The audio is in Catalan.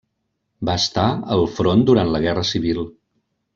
Va estar el front durant la guerra civil.